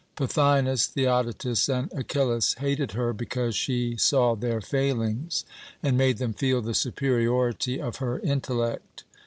Pothinus, Theodotus, and Achillas hated her because she saw their failings and made them feel the superiority of her intellect.